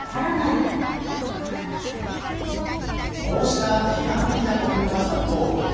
こうした批判的なコメントが殺到。